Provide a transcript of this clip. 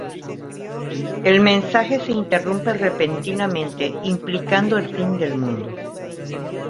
El mensaje se interrumpe repentinamente, implicando el fin del mundo.